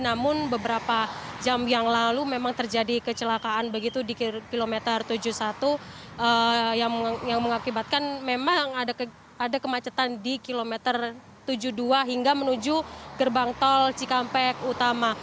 namun beberapa jam yang lalu memang terjadi kecelakaan begitu di kilometer tujuh puluh satu yang mengakibatkan memang ada kemacetan di kilometer tujuh puluh dua hingga menuju gerbang tol cikampek utama